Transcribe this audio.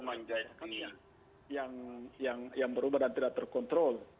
mampu menjahit penyelenggaraan yang berubah dan tidak terkontrol